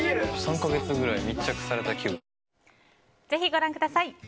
ぜひご覧ください。